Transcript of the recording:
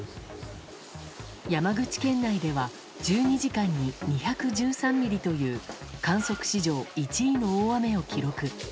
山口県内では１２時間に２１３ミリという観測史上１位の大雨を記録。